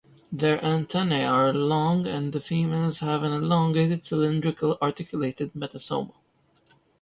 Their antennae are long and the females have an elongated, cylindrical, articulated metasoma.